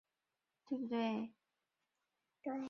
洛汗语是托尔金的中土世界洛汗国的语言。